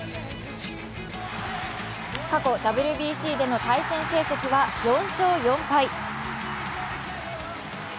過去、ＷＢＣでの対戦成績は４勝４敗。